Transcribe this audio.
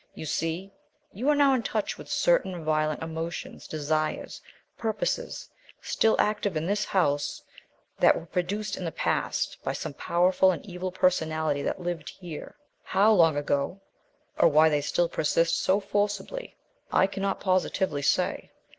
You see, you are now in touch with certain violent emotions, desires, purposes, still active in this house, that were produced in the past by some powerful and evil personality that lived here. How long ago, or why they still persist so forcibly, I cannot positively say.